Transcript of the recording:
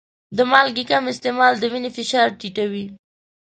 د مالګې کم استعمال د وینې فشار ټیټوي.